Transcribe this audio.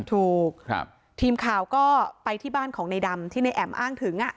ถูกทีมข่าวก็ไปที่บ้านของในดำที่ในแอ๋มอ้างถึง